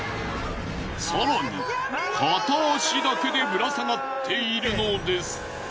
更に片足だけでぶら下がっているのです。